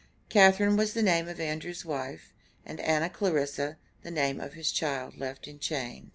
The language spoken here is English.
Catharine was the name of Andrew's wife; and Anna Clarissa the name of his child left in chains.